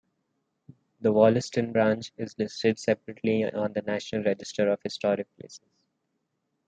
The Wollaston Branch is listed separately on the National Register of Historic Places.